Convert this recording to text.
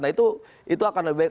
nah itu akan lebih baik